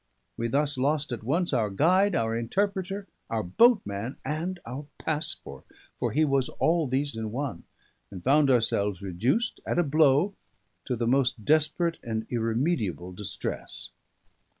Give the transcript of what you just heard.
We thus lost at once our guide, our interpreter, our boatman, and our passport, for he was all these in one; and found ourselves reduced, at a blow, to the most desperate and irremediable distress.